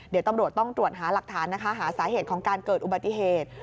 เดี๋ยวตำรวจต้องตรวจหาหลักฐานนะคะหาสาเหตุของการเกิดอุบัติเหตุ